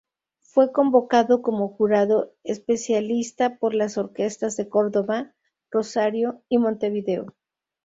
Fue convocado como jurado especialista por las orquesta de Córdoba, Rosario y Montevideo.